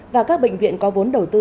và các bệnh viện có vốn đầu tư